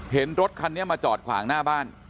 เห็นรถคันนี้มาจอดขวางหน้าบ้าน